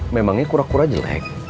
memangnya kura kura jelek